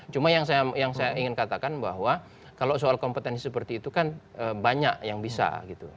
cuma yang saya ingin katakan bahwa kalau soal kompetensi seperti itu kan banyak yang bisa gitu